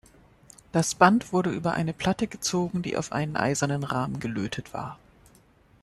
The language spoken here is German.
Das Band wurde über eine Platte gezogen, die auf einen eisernen Rahmen gelötet war.